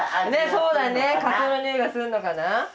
そうだねカツオのにおいがするのかな？